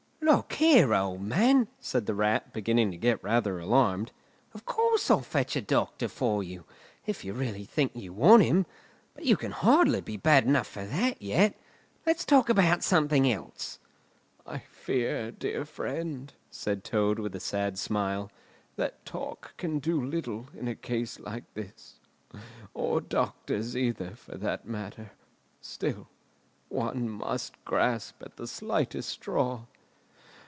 "Look here, old man," said the Rat, beginning to get rather alarmed, "of course I'll fetch a doctor to you, if you really think you want him. But you can hardly be bad enough for that yet. Let's talk about something else." "I fear, dear friend," said Toad, with a sad smile, "that 'talk' can do little in a case like this—or doctors either, for that matter; still, one must grasp at the slightest straw.